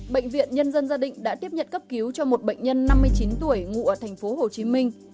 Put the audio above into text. bệnh viện nhân dân gia định đã tiếp nhận cấp cứu cho một bệnh nhân năm mươi chín tuổi ngụ ở thành phố hồ chí minh